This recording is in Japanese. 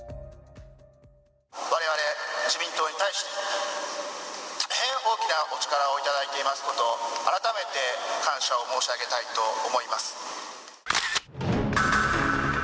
われわれ自民党に対して、大変大きなお力を頂いていますこと、改めて感謝を申し上げたいと思います。